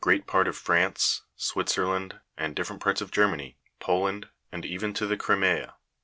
great part of France, Switzerland, and different parts of Germany, Poland, and even to the Crimea.